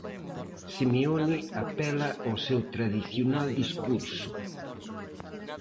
Simeone apela ao seu tradicional discurso.